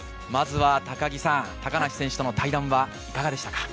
高木さん、高梨選手との対談はいかがでしたか？